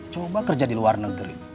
coba kerja di luar negeri